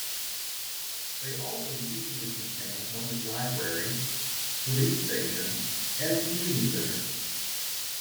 They also usually contain a public library, police station and a community centre.